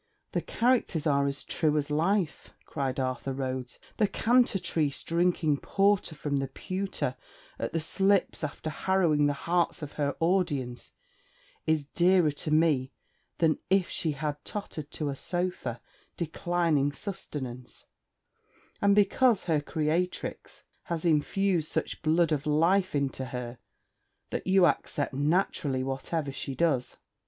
'The characters are as true as life!' cried Arthur Rhodes. 'The Cantatrice drinking porter from the pewter at the slips after harrowing the hearts of her audience, is dearer to me than if she had tottered to a sofa declining sustenance; and because her creatrix has infused such blood of life into her that you accept naturally whatever she does.